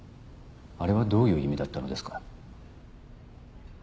あれはどういう意味だったのですか？